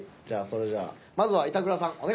じゃあそれじゃあまずは板倉さん